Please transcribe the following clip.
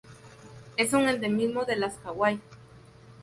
És un endemismo de las Hawaii.